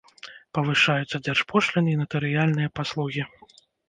Павышаюцца дзяржпошліны і натарыяльныя паслугі.